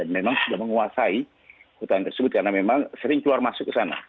memang sudah menguasai hutan tersebut karena memang sering keluar masuk ke sana